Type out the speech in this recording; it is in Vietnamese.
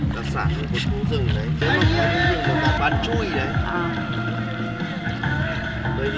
đặc sản là thú rừng đấy